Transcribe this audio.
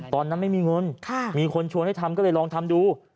ตอนนั้นไม่มีเงินมีคนชวนให้ทำก็เลยลองทำดู